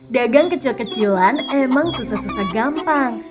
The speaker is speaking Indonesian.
dagang kecil kecilan emang susah susah gampang